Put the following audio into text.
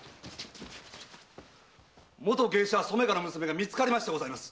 元芸者・染香の娘が見つかりましてございます。